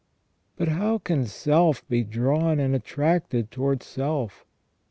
But how can self be drawn and attracted towards self?